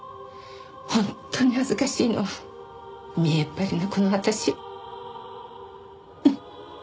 本当に恥ずかしいのは見えっ張りのこの私。